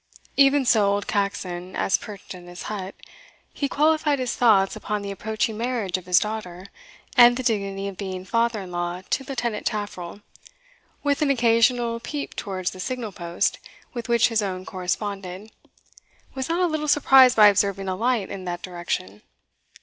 Even so old Caxon, as perched in his hut, he qualified his thoughts upon the approaching marriage of his daughter, and the dignity of being father in law to Lieutenant Taffril, with an occasional peep towards the signal post with which his own corresponded, was not a little surprised by observing a light in that direction.